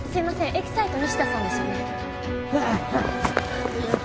エキサイト西田さんですよね？